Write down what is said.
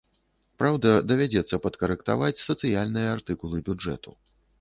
Праўда, давядзецца падкарэктаваць сацыяльныя артыкулы бюджэту.